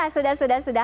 sudah sudah sudah